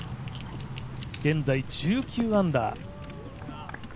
現在１９アンダー。